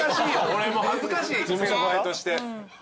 俺も恥ずかしい先輩として。